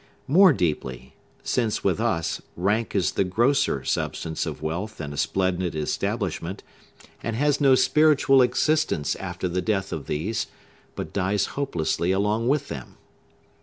More deeply; since, with us, rank is the grosser substance of wealth and a splendid establishment, and has no spiritual existence after the death of these, but dies hopelessly along with them.